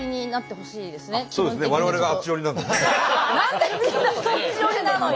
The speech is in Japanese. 今日は何でみんなそっち寄りなのよ！